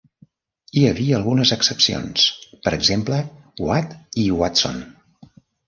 Hi havia algunes excepcions: per exemple, "Watt" i "Watson".